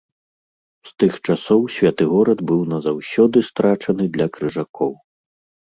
З тых часоў святы горад быў назаўсёды страчаны для крыжакоў.